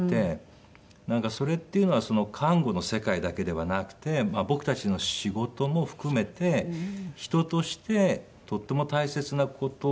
なんかそれっていうのは看護の世界だけではなくて僕たちの仕事も含めて人としてとても大切な事だなって。